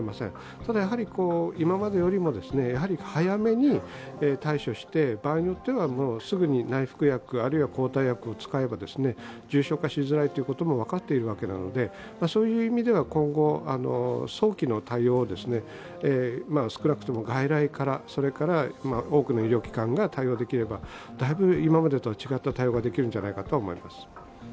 ただ、今までよりも早めに対処して場合によっては、すぐに内服薬、あるいは抗体薬を使えば重症化しづらいということも分かっているわけなので今後、早期の対応を、少なくとも外来からそれから多くの医療機関が対応できればだいぶ今までとは違った対応ができるのではないかと思います。